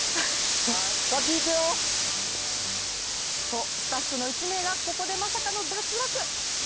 とスタッフの１名が、ここでまさかの脱落。